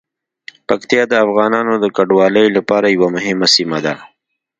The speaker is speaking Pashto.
پکتیا د افغانانو د کډوالۍ لپاره یوه مهمه سیمه ده.